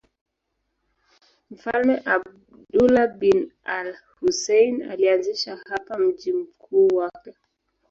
Mfalme Abdullah bin al-Husayn alianzisha hapa mji mkuu wake.